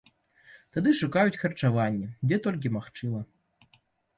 Тады шукаюць харчаванне, дзе толькі магчыма.